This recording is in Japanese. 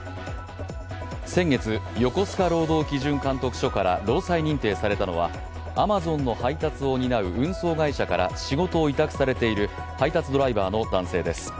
先月、横須賀労働基準監督署から労災認定されたのはアマゾンの配達を担う運送会社から仕事を委託されている配達ドライバーの男性です。